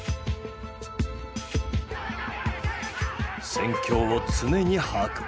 戦況を常に把握。